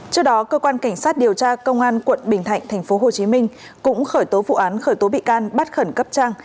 trước đó cơ quan cảnh sát điều tra công an quận bình thạnh tp hcm cũng khởi tố vụ án khởi tố bị can bắt khẩn cấp trang